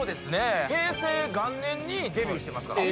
平成元年にデビューしてますから。